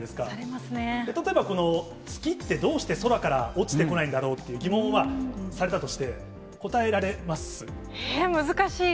例えばこの月って、どうして空から落ちてこないんだろうっていう疑問をされたとして、えっ、難しい！